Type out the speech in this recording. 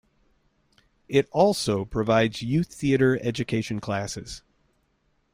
It also provides youth theater education classes.